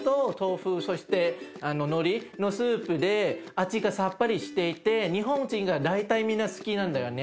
味がさっぱりしていて日本人が大体みんな好きなんだよね。